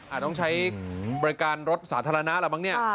อ่าต้องใช้บริการรถสาธารณะอะไรบ้างเนี้ยอ่า